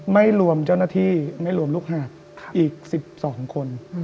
ไม่รวมเจ้าหน้าที่ไม่รวมลูกหาดอีก๑๒คน